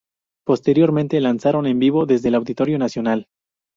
Posteriormente, lanzaron En vivo desde el Auditorio Nacional.